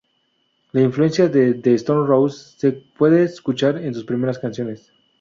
La influencia de The Stone Roses se puede escuchar en sus primeras canciones.